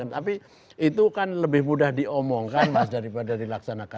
tapi itu kan lebih mudah diomongkan mas daripada dilaksanakan